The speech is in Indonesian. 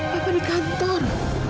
papa di kantor